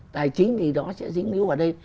tài chính thì đó sẽ dính níu vào đây